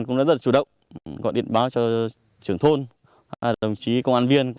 chúng tôi đã rất là chủ động gọi điện báo cho trưởng thôn đồng chí công an viên